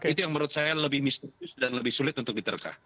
itu yang menurut saya lebih misterius dan lebih sulit untuk diterkah